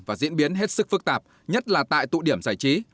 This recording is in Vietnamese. và diễn biến hết sức phức tạp nhất là tại tụ điểm giải trí